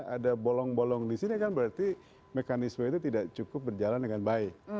ada bolong bolong di sini kan berarti mekanisme itu tidak cukup berjalan dengan baik